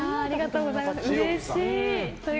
うれしい。